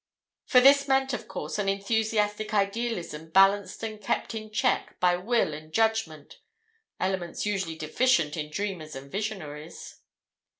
For this meant, of course, an enthusiastic idealism balanced and kept in check by will and judgment—elements usually deficient in dreamers and visionaries.